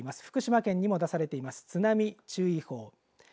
福島県にも出されて今津波注意報